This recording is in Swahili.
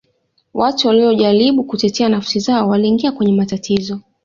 watu waliyojaribu kutetea nafsi zao waliingia kwenye matatizo